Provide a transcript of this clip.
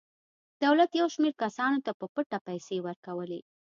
دولت یو شمېر کسانو ته په پټه پیسې ورکولې.